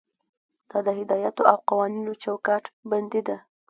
دا د هدایاتو او قوانینو چوکاټ بندي ده.